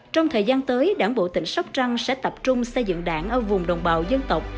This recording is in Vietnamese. trong thời gian tới đảng bộ tỉnh sóc trăng sẽ tập trung xây dựng đảng ở vùng đồng bào dân tộc